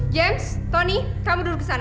james tony kamu duduk kesana